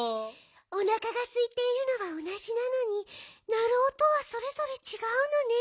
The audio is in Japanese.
おなかがすいているのはおなじなのになるおとはそれぞれちがうのね。